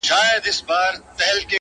چي د ښـكلا خبري پټي ساتي ـ